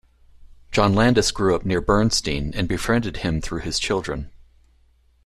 John Landis grew up near Bernstein, and befriended him through his children.